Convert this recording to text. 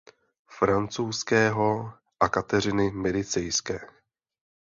Francouzského a Kateřiny Medicejské.